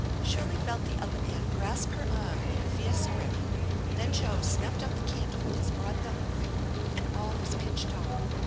Shirley felt the other man grasp her arm in a fierce grip. Then Joe snuffed out the candle with his broad thumb and finger and all was pitch dark.